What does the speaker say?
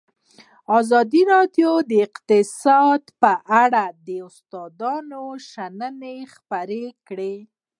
ازادي راډیو د اقتصاد په اړه د استادانو شننې خپرې کړي.